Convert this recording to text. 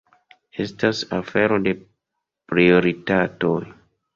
Estas afero de prioritatoj.